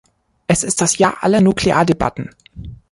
Es ist das Jahr aller Nukleardebatten.